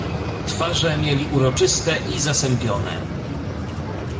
"Twarze mieli uroczyste i zasępione."